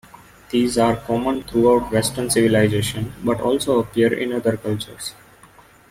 These are common throughout Western civilization, but also appear in other cultures.